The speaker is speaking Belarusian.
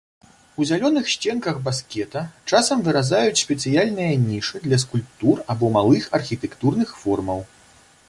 У зялёных сценках баскета часам выразаюць спецыяльныя нішы для скульптур або малых архітэктурных формаў.